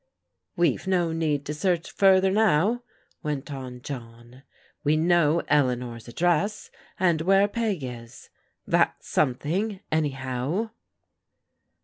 "We've no need to search further now," went on John. " We know Eleanor's address, and where Peg is, — that's something, anyhow."